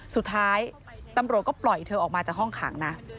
สุดท้ายตำรวจก็ปล่อยเธอออกมาจากห้องขังนะ